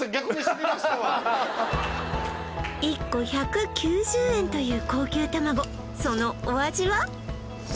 １個１９０円という高級卵そのお味は？